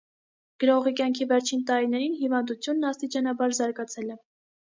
Գրողի կյանքի վերջին տարիներին հիվանդությունն աստիճանաբար զարգացել է։